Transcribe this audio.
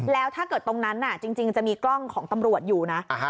แล้วถ้าเกิดตรงนั้นจริงจะมีกล้องของตำรวจอยู่นะ